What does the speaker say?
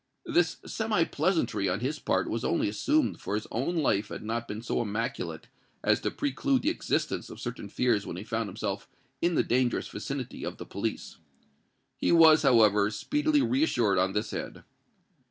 This semi pleasantry on his part was only assumed; for his own life had not been so immaculate as to preclude the existence of certain fears when he found himself in the dangerous vicinity of the police. He was, however, speedily reassured on this head.